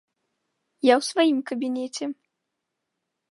Я ў сваім кабінеце!